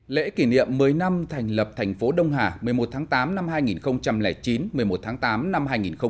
lễ kỷ niệm một mươi năm thành lập thành phố đông hà một mươi một tháng tám năm hai nghìn chín một mươi một tháng tám năm hai nghìn một mươi chín